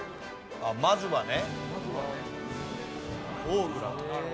まずはね。